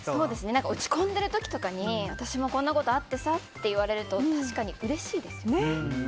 落ち込んでる時とかに私もこんなことあってさって言われると確かにうれしいですよね。